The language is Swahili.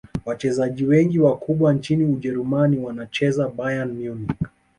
wachezaji wengi wakubwa nchini ujerumani wanacheza bayern munich